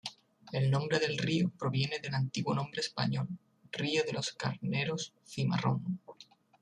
El nombre del río proviene del antiguo nombre español, río de los Carneros Cimarrón.